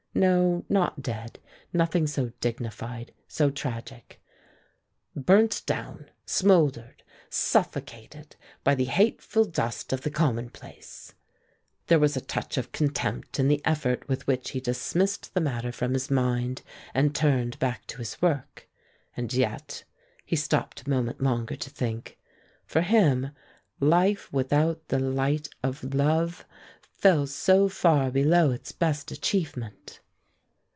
No, not dead; nothing so dignified, so tragic. Burnt down, smoldered; suffocated by the hateful dust of the commonplace. There was a touch of contempt in the effort with which he dismissed the matter from his mind and turned back to his work. And yet, he stopped a moment longer to think, for him life without the light of love fell so far below its best achievement!